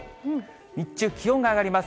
日中、気温が上がります。